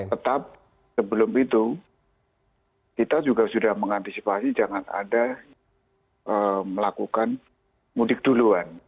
tetap sebelum itu kita juga sudah mengantisipasi jangan ada melakukan mudik duluan